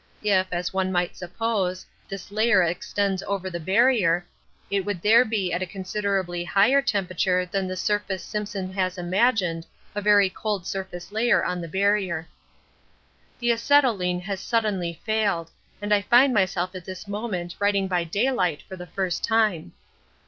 If, as one must suppose, this layer extends over the Barrier, it would there be at a considerably higher temperature than the surface Simpson has imagined a very cold surface layer on the Barrier. The acetylene has suddenly failed, and I find myself at this moment writing by daylight for the first time.